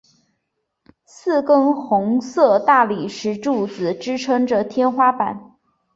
四根粉红色大理石柱子支持着天花板。